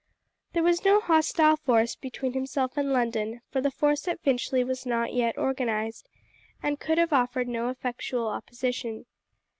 There was no hostile force between himself and London, for the force at Finchley was not yet organized, and could have offered no effectual opposition.